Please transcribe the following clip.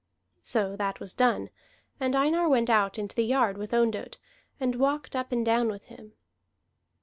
So that was done, and Einar went out into the yard with Ondott, and walked up and down with him.